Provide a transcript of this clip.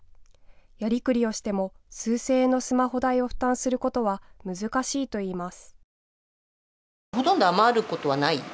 やりくりをしても数千円のスマホ代を負担することは難しいといいます。